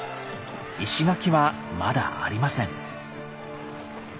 石垣はまだありません。